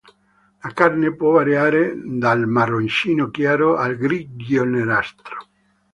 La carne può variare dal marroncino chiaro al grigio-nerastro.